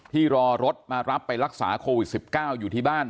รอรถมารับไปรักษาโควิด๑๙อยู่ที่บ้าน